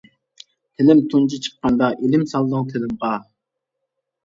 تىلىم تۇنجى چىققاندا، ئىلىم سالدىڭ تىلىمغا.